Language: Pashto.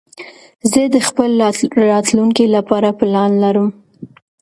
زه د خپل راتلونکي لپاره پلان لرم.